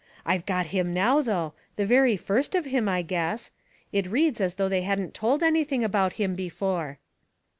I've got him now, though — the very first of him I guess. It reads as though they hadn't told anything about him before."